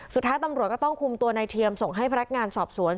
สุดท้ายตำรวจก็ต้องคุมตัวในเทียมส่งให้พนักงานสอบสวน